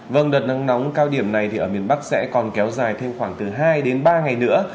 vâng đợt nắng nóng cao điểm này thì ở miền bắc sẽ còn kéo dài thêm khoảng từ hai đến ba ngày nữa